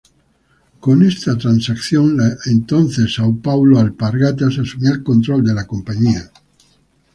Con esta transacción, la entonces São Paulo Alpargatas, asumía el control de la compañía.